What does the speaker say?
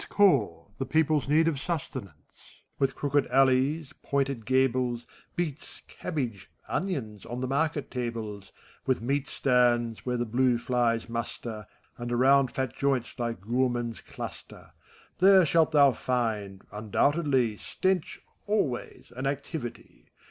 191 Its core, the people's need of snstenanoe } With crooked alleysi pointed gables, Beets, cabbage, onions, on the market tables ; With meat stands, where the bine fiies muster, Ana round fat joints like gourmands cluster : There shalt thou find, undoubtedly, Stench, always, and activity.